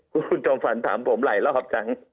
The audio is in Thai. คุณจอมฝันถามผมหลายรอบจัง